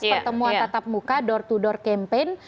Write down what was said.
pertemuan tatap muka door to door campaign